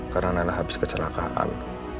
karena nailah habis kecelakaan